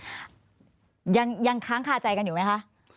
ยังค้างคาใจกันอยู่ไหมคะ